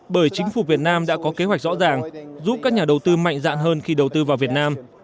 bởi chính phủ việt nam đã có kế hoạch rõ ràng giúp các nhà đầu tư mạnh dạn hơn khi đầu tư vào việt nam